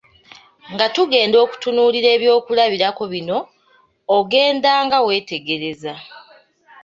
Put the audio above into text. Nga tugenda okutunuulira ebyokulabirako bino ogendanga wetegereza.